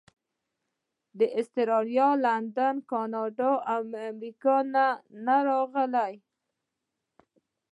د اسټرالیا، لندن، کاناډا او امریکې نه راغلي.